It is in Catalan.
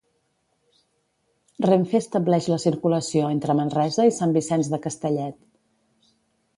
Renfe estableix la circulació entre Manresa i Sant Vicenç de Castellet.